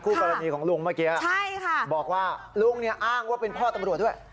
กรณีของลุงเมื่อกี้ใช่ค่ะบอกว่าลุงเนี่ยอ้างว่าเป็นพ่อตำรวจด้วย